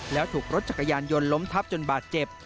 แล้วถูกรถจักรยานยนต์ล้มทับจนบาดเจ็บ